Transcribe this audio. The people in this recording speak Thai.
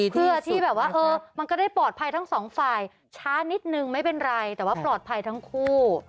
เพื่อที่แบบว่าเออมันก็ได้ปลอดภัยทั้งสองฝ่ายช้านิดนึงไม่เป็นไรแต่ว่าปลอดภัยทั้งคู่